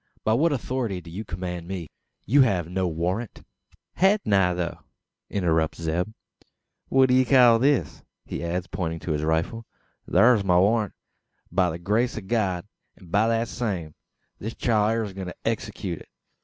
"By what authority do you command me? You have no warrant?" "Hain't I, though?" interrupts Zeb. "What d'ye call this?" he adds, pointing to his rifle. "Thur's my warrant, by the grace o' God; an by thet same, this chile air a goin' to execute it.